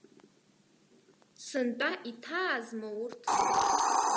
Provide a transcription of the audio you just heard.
Сынтәа иҭаазма урҭ?!